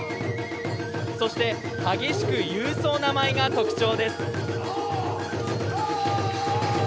そして激しく勇壮な舞が特徴です。